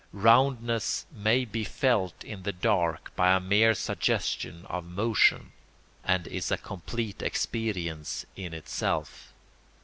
Roundness may be felt in the dark, by a mere suggestion of motion, and is a complete experience in itself.